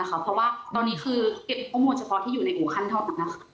เพราะว่าตอนนี้เก็บโปรโมทเฉพาะที่อยู่ในอู่ฮั่นเท่านั้น